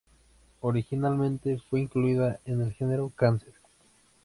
Originalmente fue incluida en el genero "Cancer".